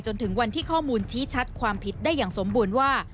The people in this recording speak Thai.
จนถึงวันที่ข้อมูลชี้ชัดความผิดได้อย่างสมบูรณ์ว่า